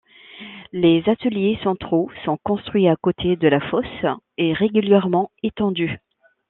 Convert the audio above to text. Les ateliers centraux sont construits à côté de la fosse, et régulièrement étendus.